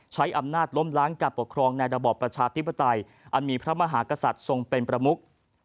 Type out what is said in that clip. ใช้อำนาจล้มล้างการปกครองในระบอบประชาธิปไตยอันมีพระมหากษัตริย์ทรงเป็นประมุก